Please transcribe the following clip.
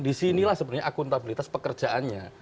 di sinilah akuntabilitas pekerjaannya